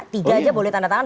tiga aja boleh tanda tangan